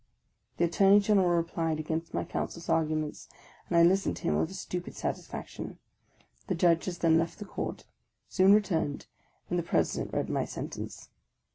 " The Attorney General replied against my counsel's argu ments, and I listened to him with a stupid satisfaction. The Judges then left the Court; soon returned, and the President read my sentence.